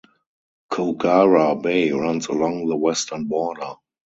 Kogarah Bay runs along the western border.